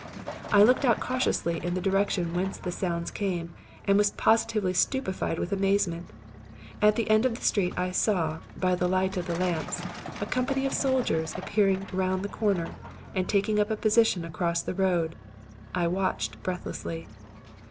I looked out cautiously in the direction whence the sounds came and was positively stupefied with amazement. At the end of the street I saw, by the light of the lamps, a company of soldiers appearing round the corner and taking up a position across the road. I watched breathlessly.